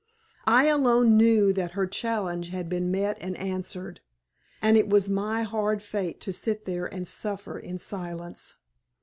I alone knew that her challenge had been met and answered, and it was my hard fate to sit there and suffer in silence.